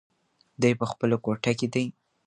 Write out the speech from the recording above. دی په خپله کوټه کې دی.